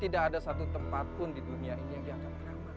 tidak ada tempat di dunia ini yang tidak ada tanah